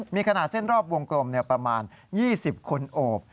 มีขนาดเส้นรอบวงกลมประมาณ๒๐คนโอบ